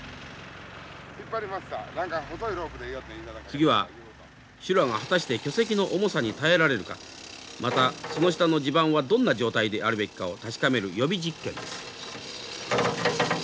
次は修羅が果たして巨石の重さに耐えられるかまたその下の地盤はどんな状態であるべきかを確かめる予備実験です。